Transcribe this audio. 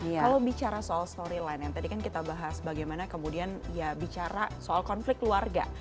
kalau bicara soal storyline yang tadi kan kita bahas bagaimana kemudian ya bicara soal konflik keluarga